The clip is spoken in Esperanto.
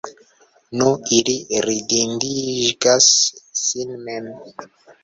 nu, ili ridindigas sin mem.